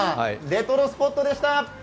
レトロスポットでした。